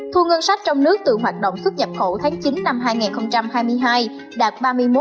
thu ngân sách trong nước từ hoạt động xuất nhập khẩu tháng chín năm hai nghìn hai mươi hai đạt ba mươi một ba trăm linh